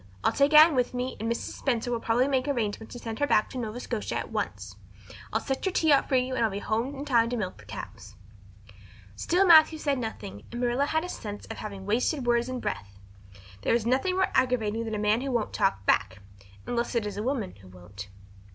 I'll take Anne with me and Mrs. Spencer will probably make arrangements to send her back to Nova Scotia at once. I'll set your tea out for you and I'll be home in time to milk the cows." Still Matthew said nothing and Marilla had a sense of having wasted words and breath. There is nothing more aggravating than a man who won't talk back unless it is a woman who won't.